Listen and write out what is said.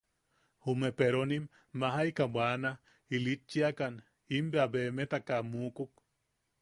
Jume peronim majaika bwana, ilitchiakan, im bea beemetaka mukuk.